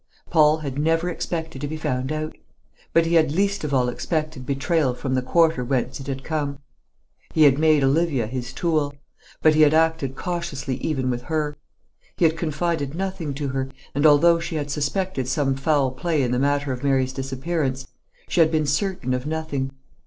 Paul had never expected to be found out. But he had least of all expected betrayal from the quarter whence it had come. He had made Olivia his tool; but he had acted cautiously even with her. He had confided nothing to her; and although she had suspected some foul play in the matter of Mary's disappearance, she had been certain of nothing.